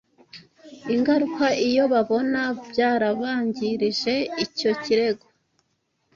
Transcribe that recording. ingaruka iyo babona byarabangirije Icyo kirego